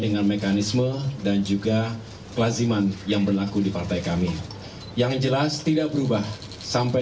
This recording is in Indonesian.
dengan mekanisme dan juga kelaziman yang berlaku di partai kami yang jelas tidak berubah sampai